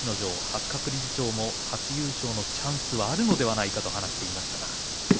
八角理事長も逸ノ城は初優勝のチャンスはあるんではないかと話していました。